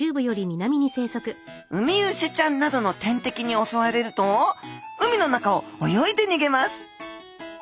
ウミウシちゃんなどの天敵に襲われると海の中を泳いで逃げます。